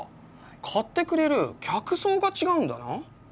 買ってくれる客層が違うんだな。